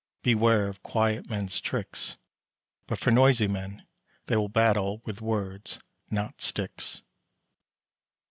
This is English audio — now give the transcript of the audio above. Beware of quiet men's tricks; But for noisy men they will Battle with words, not sticks.